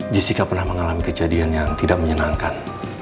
jessica pernah mengalami kejadian yang tidak menyenangkan